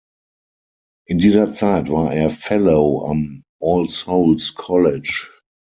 In dieser Zeit war er Fellow am All Souls College.